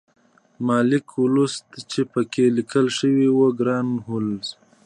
ما لیک ولوست چې پکې لیکل شوي وو ګران هولمز